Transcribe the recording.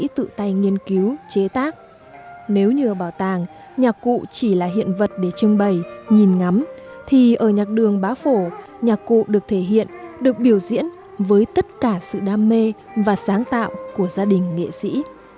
nhạc cụ được tự tài nghiên cứu chế tác nếu như ở bảo tàng nhạc cụ chỉ là hiện vật để trưng bày nhìn ngắm thì ở nhạc đường bá phổ nhạc cụ được thể hiện được biểu diễn với tất cả sự đam mê và sáng tạo của gia đình nghệ sĩ